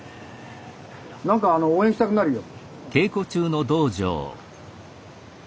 何かあの応援したくなるよ。